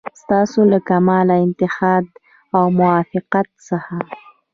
ستاسو له کمال اتحاد او موافقت څخه.